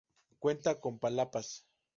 Cuenta con palapas.